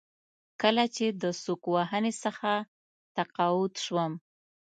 کله چې د سوک وهنې څخه تقاعد شوم.